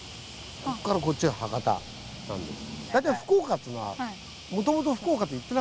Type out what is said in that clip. ここからこっちは博多なんです。